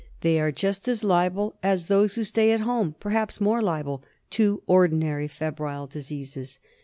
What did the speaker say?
They are just as liable as those who stay at home — perhaps more liable — to ordinary febrile diseases.